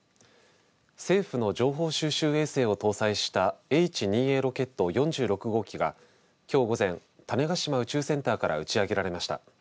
政府の情報収集衛星を搭載したＨ２Ａロケット４６号機がきょう午前種子島宇宙センターから打ち上げられました。